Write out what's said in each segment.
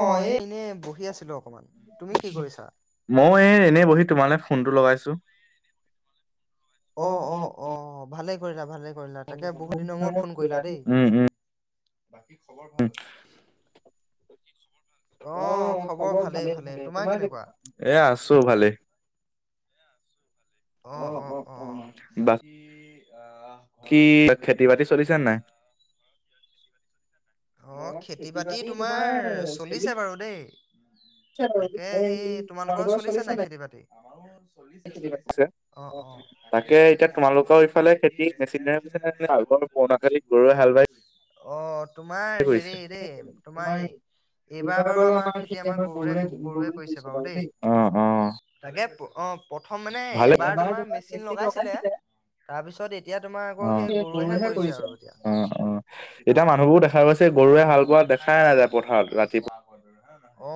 অহ', এই এনে বহি আছিলো অকমান তুমি কি কৰিছা? ময়ে এনে বহি তোমালে ফোনটো লগাইছো। মানে এনে বহি তোমালে ফোনটো লগাইছো, অহ', - অহ', - অহ', ভালে। কৰিলা ভালে। [unintelligible] বহু দিনৰে বৈলাহি উম - উম। কি খবৰ ভাল? অ', খবৰ ভালেই ভালে। তোমাৰ কেনেকুৱা? এ, আছো ভালে। অ', অ', অ', বাকী। আহ, ঘৰত কি খেতি বাতি চলিছে নাই? অ', খেতি বাতি তোমাৰ চলিছে বাৰু দেই। তাকে সেই তোমালোকৰ চলিছে নাই খেতি বাতি? চলিছে চলিছে। অ', অ', তাকে এতিয়া তোমালোকৰ ইফালে খেতি মেচিনেৰে পিচেনে নে আগৰ পুৰণাসালিত গৰুৱে হাল বাই কৰিছে অত তোমাৰ হেৰি দেই তোমাই এইবাৰ বাৰু আমাৰ খেতি আমাৰ গউৰে গৰুৱে কৰিছে বাৰু দেই। তাকে প অ', প প্ৰথম মানে এব এবাৰ তোমাৰ মেচিন লগাইছিলে। তাৰপিছত এতিয়া। তোমাৰ আকৌ সেই গৰুৱেহে কৰিছে আৰু এতিয়া। এতিয়া মানুহবোৰ দেখা পাইছে গৰুৱে হাল বোৱা দেখাই নাযায় পথাৰত ৰাতিপুৱা গধুলি অ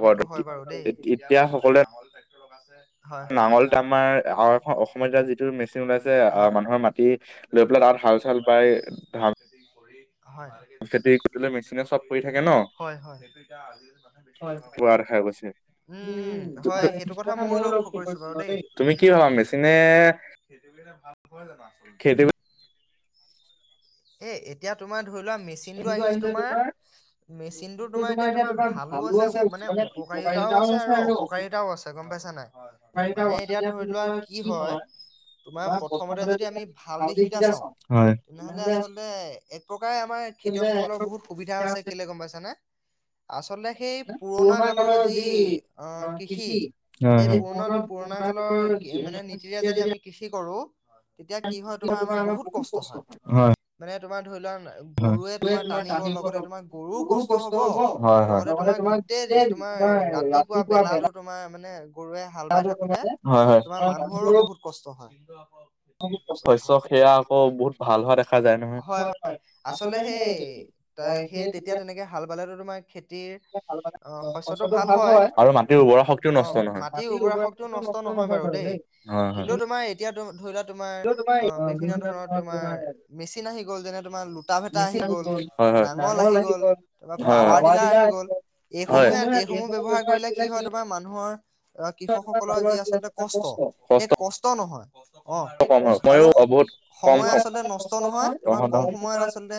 সেইটো হয় বাৰু দেই এতিয়া সকলোৱে নাঙল টেক্টৰ কাৰণে যে হয় হয় এতিয়া আমাৰ আৰু এখ অসমত যে যিটো মেচিন ওলাইছে আহ মানুহৰ মাটি লৈ পেলাই তাত হাল চাল বাই ধান হয় [unintelligible] দায়িত্ব লৈ মেচিনে চব কৰি থাকে ন হয় হয় সেইটো এতিয়া আজিকালি মানুহে বেছি ব্যৱহাৰ কৰা দেখা গৈছে উম উম হয় সেইটো কথা ময়ো লক্ষ্য কৰিছো বাৰু দেই তুমি কি ভাবা মেচিনে, খেতিবাতি ভাল কৰে জানোঁ আচলতে? এ এতিয়া তোমাৰ ধৰি লোৱা মেচিনটো আহিছে তোমাৰ, মেচিনটো তোমাৰ এতিয়া তোমাৰ ভালো আছে মানে উপকাৰিতাও আছে আৰু অপকাৰিতাও আছে গম পাইছা নে, হয়, হয়, মানে এতিয়া ধৰি লোৱা কি হয়, তোমাৰ প্ৰথমতে যদি আমি ভাল দিশ কেইটা চাও, তেনেহলে আচ পেলে এক প্ৰকাৰে আমাৰ খেতিয়কসকলৰ বহুত সুবিধাও হৈছে, কেলে গম পাইছা নে? আচ আচলতে সেই পুৰণা কালৰ যি, অ, কৃষি, সেই পুৰণা পুৰণা কালৰ মানে নীতিৰে যদি আমি কৃষি কৰোঁ [unintelligible] তোমাৰ আমাৰ বহুত কষ্ট, হয়, মানে তোমাৰ ধৰি লোৱা গৰুৱে তোমাৰ টানিব লগতে তোমাৰ গৰুও কষ্ট হ'ব, লগতে তোমাৰ গোটেই তোমাৰ ৰাতিপুৱা বেলাটো তোমাৰ মানে গৰুৱে হাল বাই থাকোতে তোমাৰ মানুহৰো বহুত কষ্ট হয়। [unintelligible] শস্য সেয়া আকৌ বহুত ভাল হোৱা দেখা যায়। হয়, হয় আচলতে সেইৰ সেই তেতিয়া তেনেকে হাল বালে তোমাৰ খেতিৰ আৰু হাল বালে শস্য বোৰ ভাল হয়। মাটিৰ উৰ্বৰা শক্তিও নষ্ট নহয়, মাটিৰ উৰ্বৰা শক্তি নষ্ট নহয় বাৰু দেই। হয়, হয়। সেইটো ধৰি লোৱা তোমাৰ অ' বিভিন্ন ধৰণৰ তোমাৰ মিচিন কিনা সি গ'ল যেনে তোমাৰ লোটা ভেটা আহি গ'ল, নাঙল আহি গ'ল, তাৰপৰা পাৱাৰ টিলাৰ আহি গ'ল, এইসমূহে এইসমূহ ব্যৱহাৰ কৰিলে কি হয় তোমাৰ মানুহৰ অ কৃষক সকলৰ যি আচলতে কষ্ট সেই কষ্ট নহয়। কম হয় সময়ও বহুত কম হয়। তোমাৰ কম সময়ত আচলতে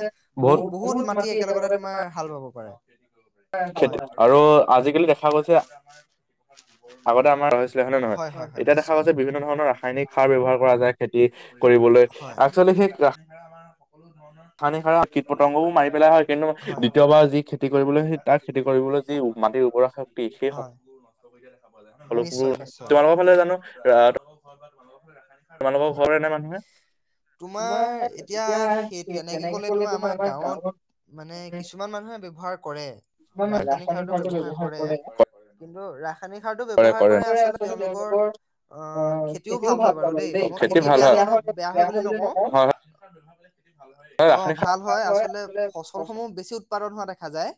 বহু বহুত মাটি একেলগতে তোমাৰ হাল বাব পাৰে। খেতি আৰু আজিকালি দেখা গৈছে আগতে আমাৰ হৈছিলে হয়নে নহয? এতিয়া দেখা গৈ যে বিভিন্ন ধৰণৰ ৰাসায়নিক সাৰ ব্যৱহাৰ কৰা যায় খেতি কৰিবলৈ একচোৱেলি সেই হয়- হয়। বৰষু তোমালোকৰ ফালে জানো অহ [inaudible] তোমাৰ এতিয়া সেই তেনেকে ক'লে তোমাৰ আমাৰ গাঁৱত মানে কিছুমান মানুহে ব্যৱহাৰ কৰে। [unintelligible] ৰাসায়নিক সাৰটো ব্যৱহাৰ কৰে। উ ৰাস সায়নিক সাৰটো ব্যৱহাৰ কৰে আচলতে তেওঁলোকৰ অ', খেতিও ভাল হয় বাৰু দেই, মই খেতি বেয়া হয়, বেয়া হয় বুলি নকওঁ। অ', ভাল হয় আচলতে ফচলসমূহ বেছি উৎপাদন হোৱা দেখা যায়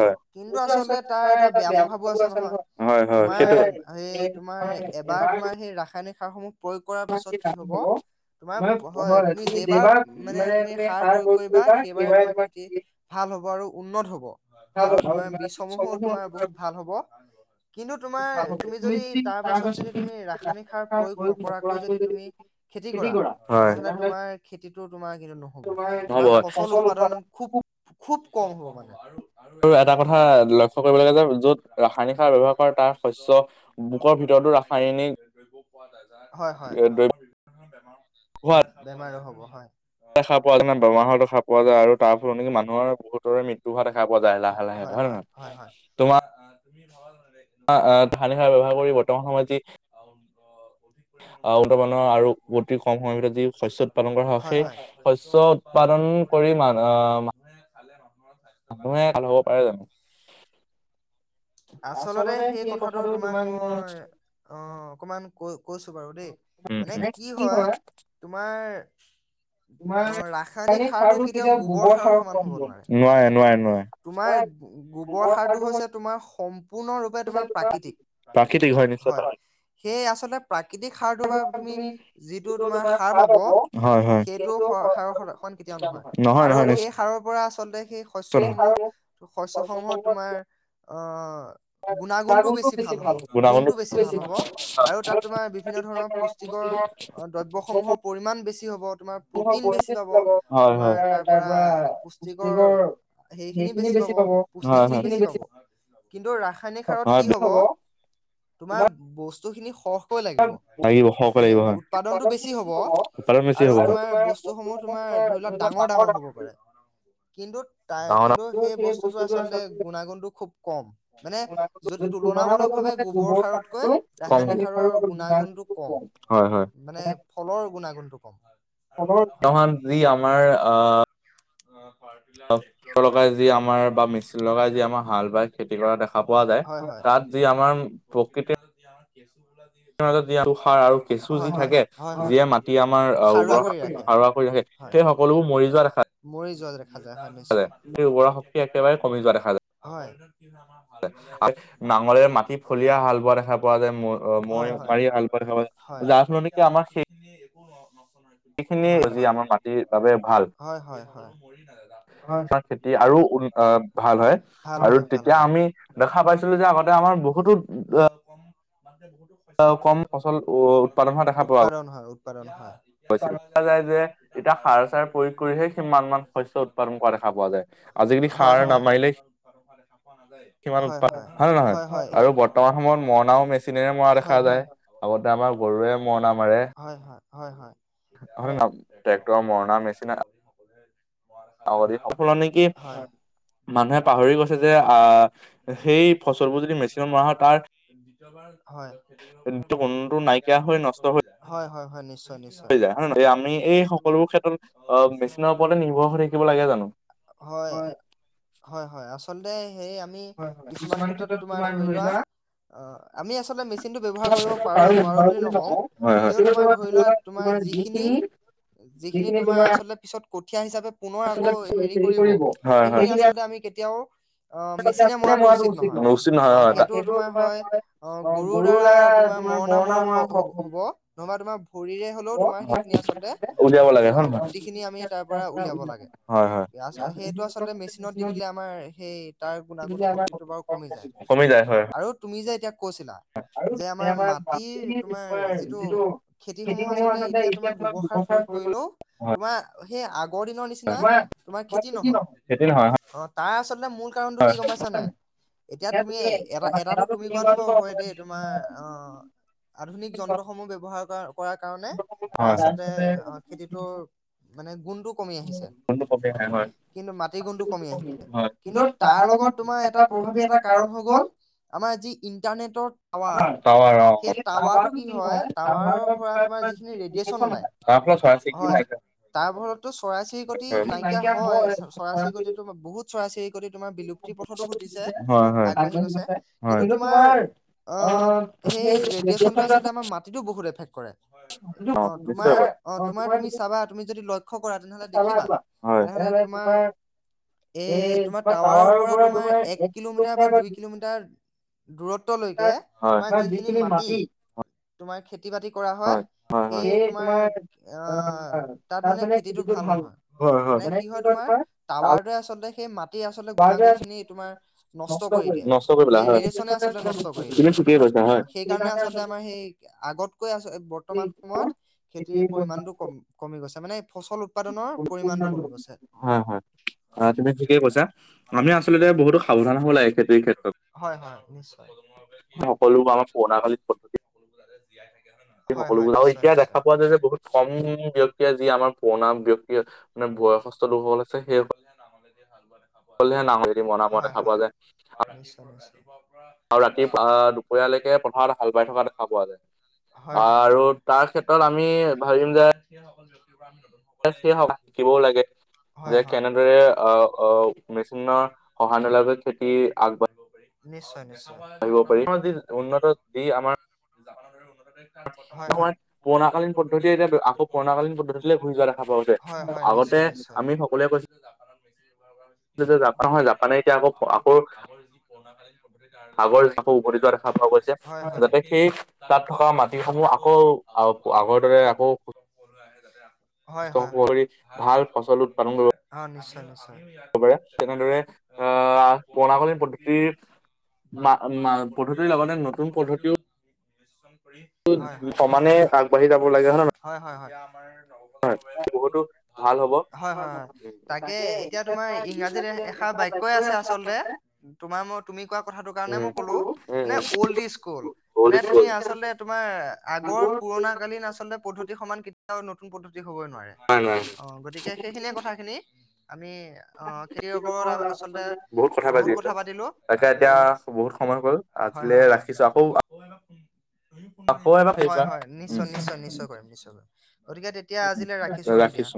অ', কিন্তু আচলতে তাৰ এটা বেয়া প্ৰভাৱো আছে নহয় তোমাৰ সেই তোমাৰ এবাৰ তোমাৰ সেই ৰা ৰাসায়নিক সাৰসমূহ প্ৰয়োগ কৰাৰ পাছত কি হ'ব তোমাৰ হয় তুমি যেইবাৰ মানে তুমি সাৰ প্ৰয়োগ কৰিবা সেইবাৰে তোমাৰ খেতি ভাল হ'ব। আৰু উন্নত হ'ব। আৰু তোমাৰ বীজসমূহো তোমাৰ বহুত ভাল হ'ব কিন্তু তোমাৰ তুমি যদি তাৰ পাছত যদি তুমি ৰাসায়নিক সাৰ প্ৰয়োগ নকৰাকৈ যদি তুমি খেতি কৰা তেনেহ'লে তোমাৰ খে ইটো তোমাৰ কিন্তু নহ'ব, তোমাৰ ফচল উৎপাদন খুব খুব কম হ'ব মানে আৰু আৰু এটা কথা লক্ষ্য কৰিব লাগে যে য'ত ৰাসায়নিক সাৰ ব্যৱহাৰ কৰে তাৰ শস্য বুকৰ ভিতৰতো ৰাসায়নিক [inaudible] হয় হয় বেমাৰো হ'ব হয়। হয়-হয়-হয়-হয় [inaudible] আহ আহ ৰাসায়নিক সাৰ ব্যৱহাৰ কৰি বৰ্তমান সময়ত যি আৰু অতি কম সময়ৰ ভিতৰত যি শস্য উৎপাদন আচলতে সেই কথাটো তোমাক মই, অ', অকমান কৈ কৈছো বাৰু দেই, মানে কি হয়, তোমাৰ অ, ৰাসায়নিক সাৰটো কেতিয়াও গোবৰ সাৰৰ সমান হব নোৱাৰে, নোৱাৰে নোৱাৰে, তোমাৰ গোবৰ সাৰটো হৈছে তোমাৰ সম পূৰ্ণৰূপে তোমাৰ প্ৰাকৃতিক, হয় সেয়ে আচলতে প্ৰাকৃতিক সাৰটো বা তুমি যিটো তোমাৰ সাৰ পাব সেইটো সাৰ সন কেতিয়াও নহয় আৰু সেই সাৰৰ পৰা চলে। সেই শস্যসমূহ শস্য সমূহত তোমাৰ আহ গুণাগুণটো বেছি ভাল হ'ব গুণতটো বেছি ভাল হ'ব আৰু তাত তোমাৰ বিভিন্ন ধৰণৰ পুষ্টিকৰ দ্ৰব্যসমূহৰ পৰিমাণ বেছি হ'ব। তোমাৰ প্ৰটিন বেছি পাব তোমাৰ তাৰ পৰা পুষ্টিকৰ হেৰিখিনি বেছি পাব পুষ্টি খিনি বেছি পাব কিন্তু ৰাসায়নিক হাৰত কি হ'ব তোমাৰ বস বস্তখিন সখ লাগিব মানে উৎপাদনতটো বেছি হ'ব। আৰু তোমাৰ বস্তুসমূহ তোমাৰ ধৰি লওঁ ডাঙৰ ডাঙৰ হ'ব পাৰে কিন্তু তাই কিন্তু সেই বস্তুটো আচলতে গুণাগুণটো খুব ক'ম। মানে য'ত তুলনামূলক ভাৱে গোবৰ সাৰতকৈ ৰাসায়নিক সাৰৰ গুণাগুণটো কম, মানে ফলৰ গুণাগুণটো। অ'। তহমান যি আমাৰ আহ অ'। টেক্টৰ লগাই যি আমাৰ বা মেচ লগাই য আমাৰ হাল খেতি কৰা দেখা পোৱা যায় হয়াত যি আমাৰ প্ৰকৃতিৰ মাজত য আমাৰ ই হয়, হয়, হয়, হয় আমাৰ আহ হাৰুৱৱা কৰি ৰাখে সেই সকলোবোৰ মৰি যোৱা দেখা মৰিযায় [unintelligible] হয়। হয় হয় হয়। [inaudible] এইখিনিয়ে আজি আমাৰ মাটিৰ বাবে ভাল। প্ৰাকৃতিক আৰু উন, ভাল হয়, আৰু তেতিয়া আমি দেখা পাইছিলো যে আগতে আমাৰ বহুতো উৎপাদন হয়। উৎপাদন হয়। হয়, হয়। হয়, হয়। হয়, হয়। হয়, হয়। হয়, হয়। হয়, হয় এতিয়া টেক্টৰে মৰণা মেচিনৰে মাৰি সকলোৱে হয় হয় হয় হয় হয় হয়। নিশ্চয়, নিশ্চয়। হয়, হয়, হয়। সন্দে সেয়ে আমি কিছুমান ক্ষেত্ৰত তোমাৰ ধৰি লোৱা অ' আমি আচলতে মেচিনটো ব্যৱহাৰ কৰিব পাৰো। নোৱাৰো বুলি নকওঁ কিয় হয় তোমাৰ তোমাৰ ধৰি লোৱা তোমাৰ যিখিনি, যিখিনি তোমাৰ আচলতে পিছত কঠীয়া হিচাপে পুনৰ আকৌ হেৰি কৰিব সেইখিনি আচলতে আমি কেতিয়াও অ' মেচিনে মৰাটো উচিত নহয়। অ' সেইটো তোমাৰ হয় অ' গৰুৰ দ্বাৰা তোমাৰ মৰণা মৰা হ হ'ব নহবা তোমাৰ ভৰিৰে হ'লেও তোমাৰ সেইখিনি আচলতে গুটি খিনি আমি তাৰ পৰা উলিয়াব লাগে সেইটো আচলতে মেচিনত দি দিলে আমাৰ সেই। তাৰ গুণাগুণ শক্তিটো বাৰু কমি যায় অ' আৰু তুমি যে এতিয়া আৰু যে আমাৰ মাটিৰ তোমাৰ যিটো খেতিসমূহ আচলতে এতিয়া তোমাৰ গোবৰ সাৰ প্ৰয়োগ কৰিলেও তোমাৰ গোবৰ সেই আগৰ [unintelligible] দিনৰ নিচিনা তোমাৰ খেতি নহয় তাৰ আচলতে মোৰ কাৰণটো কি গম পাইছা নাই। এতিয়া তুমি এটা এটাটো তুমি কোৱাটো বাৰু হয় দেই, তোমাৰ অ' আধুনিক যন্ত্ৰসমূহ ব্যৱহাৰ কৰি [unintelligible] কৰ কাৰণে তাৰ আচলতে অ খেতিটোৰ মানে গুণটো কমি আহিছে অ কিন্তু মাটিৰ গুণটো কমি আহিছে কিন্তু তাৰ লগত তোমাৰ এটা প্ৰভাৱী এটা কাৰণ হৈ গল আমাৰ যি ইণ্টাৰনেটত [unintelligible] তোমাৰ যিখিনি ৰেডিয়েচন ওলয় হয় তাৰ ফলততো চৰাই চিৰিকটি নাইকিয়া হয় চৰাই চিৰিকটি তো বহুত চৰাই-চিৰি কতি তোমাৰ বিলুপ্তি পথতো ঘটিছে আগবাঢ়ি গৈছে কিন্তু তোমাৰ অ সেই ৰেডিয়েচন টো আচলতে আমাৰ মাটিতো বহুত এফেক্ট কৰে। অ তোমাৰ অ তোমাৰ তুমি চাবা তুমি যদি ল ক্ষ কৰা তেনেহলে দেখিবা তেনেহলে তোমাৰ এ তোমাৰ টাৱাৰৰ পৰা তোমাৰ এক কিলোমিটাৰ বা দুই কিলোমিটাৰ দূৰত্বলৈকে তোমাৰ যিখিনি মাটি তোমাৰ খেতি বাতি কৰা হয় সেই তোমাৰ আহ তাত মানে খেতিটো ভাল নহয় মানে কি হয় তোমাৰ টাৱাৰটোৱে আচলতে সেইমাত ই আচলতে গুনা গুন খিনি তুমাৰ নষ্ট কৰি দিয়ে সেই ৰেডিয়েচনে আচল নষ্ট কৰি দিয়ে অ সেইকাৰণে আচলতে আমাৰ সেই আগত কৈ আছো বৰ্তমান সময়ত খেতিৰ পৰিমমান টো কম কমি গৈছে। তাৰ মানে ফচল উৎপাদনৰ পৰিমানটো কমি গৈছে, হয়, হয়- হয়। নিশ্চয়। সকলো [unintelligible] সকলোবোৰ, আৰু এতিয়া দেখা যায় যে বহুত কম ব্যক্তিয়ে যি আমাৰ পুৰণা ব্যক্তি আছে। মানে বয়সস্ত লোকসকল আছে [unintelligible] [unintelligible] আৰু ৰাতি! আহ, দুপৰীয়ালৈকে পথাৰত হাল বাই থকা দেখা পোৱা যায়। হয় হয়, হয় তাৰ ক্ষেত্ৰত আমি ভাবিম যে [unintelligible] [unintelligible] নিশ্চয় নিশ্চ আহিব পাৰি, আ' উন্নত দি আমাৰ হয় হয়, নিশ্চই নিশ্চই। [unintelligible] হয় হয়। সেইসসমূহ আকৌ আগৰ দৰে আকৌ [unintelligible] হয়, হয়, হয় ভাল ফল উৎপাদন কৰিব পাৰে নিশ্চয় নিশ্চয়তি। [inaudible] [unintelligible] হয় সমানে আগবাঢ়ি যাব লাগে নহয়। [unintelligible] আগৰ পুৰণা কালীন আচলতে পদ্ধতি সমান নতুন পদ্ধতি হবই নোৱাৰে, অ গতিকে সেইখিনিয়ে কথা খিনি আমি অ খেতিৰ ওপৰত আচল্ততে বহুত কথা পাতিলো আৰু হয়, হয়। হয়, হয়, নিশ্চয়, নিশ্চয়, নিশ্চয় কৰিম নিশ্চয় কৰিম। গতিকে তেতিয়া আজিলৈ ৰাখিছো আৰু দিয়া।